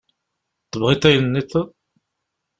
Tebɣiḍ ayen-nniḍen?